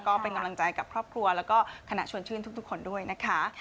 ก็เป็นกำลังใจกับครอบครัวแล้วก็คณะชวนชื่นทุกคนด้วยนะคะ